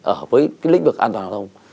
ở với cái lĩnh vực an toàn giao thông